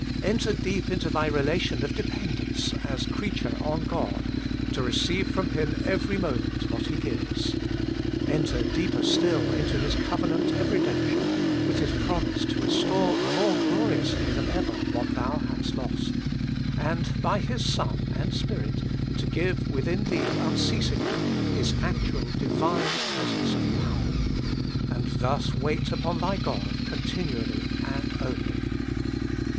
Enter deep into thy relation of dependence as creature on God, to receive from TTim every moment what He gives. Enter deeper still into His covenant of redemption, with His promise to restore more gloriously ihan ever what thou hadst lost^ and by His WAITING ON GOD/ 149 Son and Spirit to give within thee unceas ingly, His actual divine Presence and Power. And thus wait upon thy God continually and only.